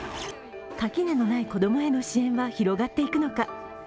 垣根のない子供への支援は広がっていくのか。